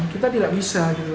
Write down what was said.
kita tidak bisa